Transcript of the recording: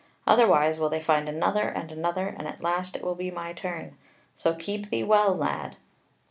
Otherwise will they find another and another, and at last it will be my turn. So keep thee well, lad."